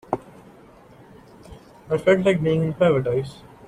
I felt like being in paradise.